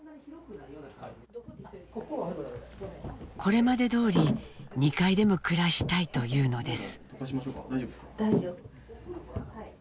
これまでどおり２階でも暮らしたいというのです。